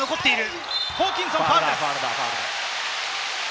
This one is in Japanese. ホーキンソン、ファウルです。